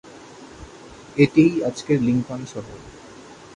এটিই আজকের লিংকন শহর।